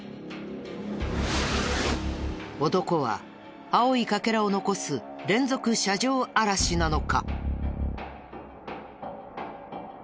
男は青い欠片を残す連続車上荒らしなのか？